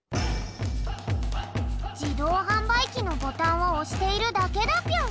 じどうはんばいきのボタンをおしているだけだぴょん。